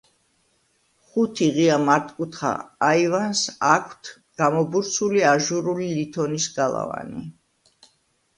ხუთი ღია მართკუთხა აივანს აქვთ გამობურცული აჟურული ლითონის გალავანი.